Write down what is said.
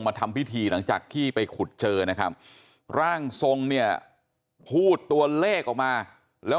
ทำพิธีหลังจากที่ไปขุดเจอนะครับร่างทรงเนี่ยพูดตัวเลขออกมาแล้ว